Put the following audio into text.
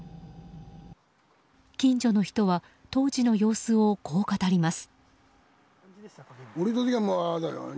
近所の人は当時の様子をこう語ります。